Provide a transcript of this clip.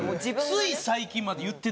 つい最近まで言ってたのに